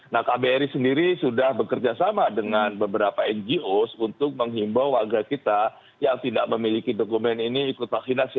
nah kbri sendiri sudah bekerja sama dengan beberapa ngo untuk menghimbau warga kita yang tidak memiliki dokumen ini ikut vaksinasi